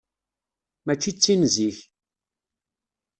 Mačči d tin zik.